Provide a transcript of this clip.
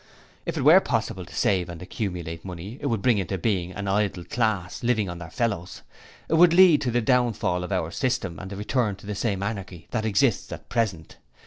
If it were possible to save and accumulate money it would bring into being an idle class, living on their fellows: it would lead to the downfall of our system, and a return to the same anarchy that exists at present.